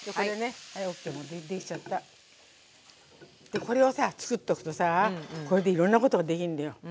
でこれをさ作っとくとさこれでいろんなことができんだよ。